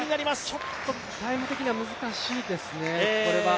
ちょっとタイム的には難しいですね。